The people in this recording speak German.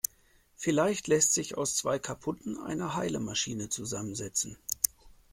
Vielleicht lässt sich aus zwei kaputten eine heile Maschine zusammensetzen.